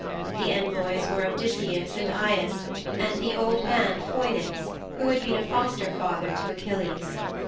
The envoys were Odysseus and Aias and the old man Phoinix who had been a foster father to Achilles.